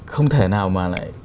không thể nào mà lại